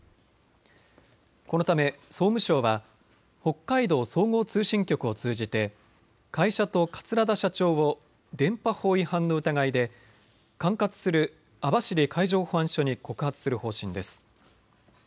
このため、総務省は北海道総合通信局を通じて会社と桂田社長を電波法違反の疑いで管轄する網走海上保安署に告発する方針です。